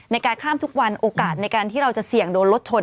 ในการข้ามทุกวันโอกาสในการที่เราจะเสี่ยงโดนรถชน